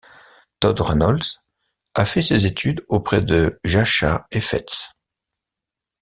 Todd Reynolds a fait ses études auprès de Jascha Heifetz.